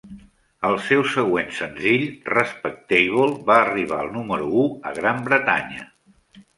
El seu següent senzill, "Respectable", va arribar al número u a Gran Bretanya.